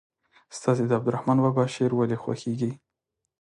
ستاسې د عبدالرحمان بابا شعر ولې خوښیږي.